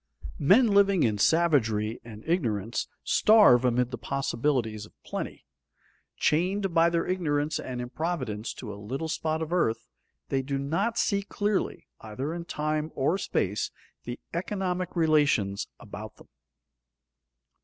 Men living in savagery and ignorance starve amid the possibilities of plenty. Chained by their ignorance and improvidence to a little spot of earth, they do not see clearly, either in time or space, the economic relations about them.